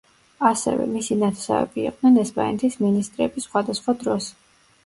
ასევე, მისი ნათესავები იყვნენ ესპანეთის მინისტრები სხვადასხვა დროს.